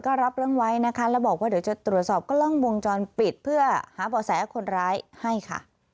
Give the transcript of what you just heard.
ก็เลยไม่แน่ใจว่าเป็นพอ